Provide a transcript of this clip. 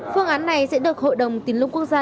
phương án này sẽ được hội đồng tín lũng quốc gia